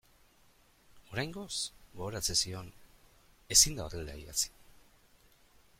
Oraingoz, gogoratzen zion, ezin da horrela idatzi.